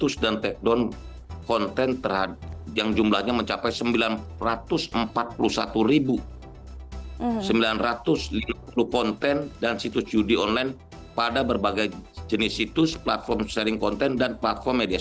selamat sore pak menteri